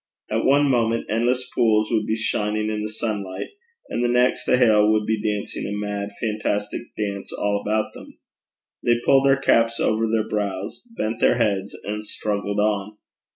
At one moment endless pools would be shining in the sunlight, and the next the hail would be dancing a mad fantastic dance all about them: they pulled their caps over their brows, bent their heads, and struggled on.